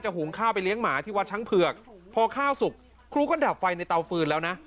หุงข้าวไปเลี้ยงหมาที่วัดช้างเผือกพอข้าวสุกครูก็ดับไฟในเตาฟืนแล้วนะ